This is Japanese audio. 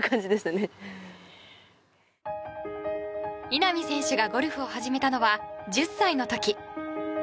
稲見選手がゴルフを始めたのは１０歳の時。